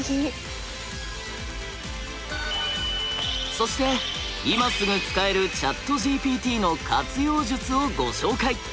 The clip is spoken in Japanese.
そして今すぐ使えるＣｈａｔＧＰＴの活用術をご紹介！